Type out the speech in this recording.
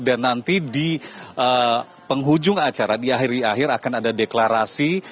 dan nanti di penghujung acara di akhir akhir akan ada deklarasi